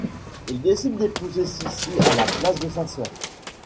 Il décide d'épouser Sissi à la place de sa sœur.